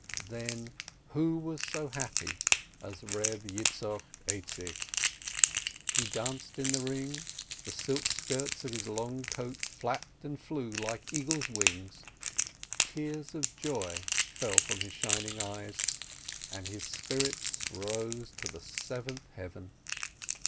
Then who was so happy as Reb Yitzchok Aizik? He danced in the ring, the silk skirts of his long coat flapped and flew like eagles' wings, tears of joy fell from his shining eyes, and his spirits rose to the seventh heaven.